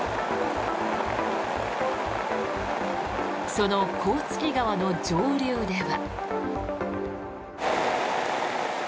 その甲突川の上流では。